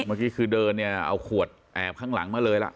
เมื่อกี้คือเดินเนี่ยเอาขวดแอบข้างหลังมาเลยล่ะ